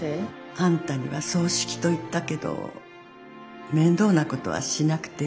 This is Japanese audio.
「あんたには葬式と言ったけど面倒なことはしなくていい」。